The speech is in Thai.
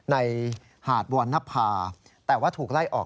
หาดวรรณภาแต่ว่าถูกไล่ออก